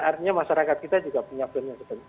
artinya masyarakat kita juga punya argumen seperti itu